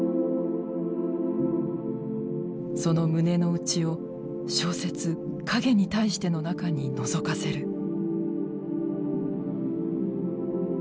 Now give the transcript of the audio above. その胸のうちを小説「影に対して」の中にのぞかせる。